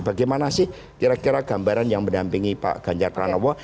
bagaimana sih kira kira gambaran yang mendampingi pak ganjar pranowo